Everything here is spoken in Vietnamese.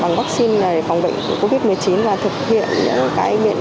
phòng vaccine là để phòng bệnh covid một mươi chín và thực hiện những cái biện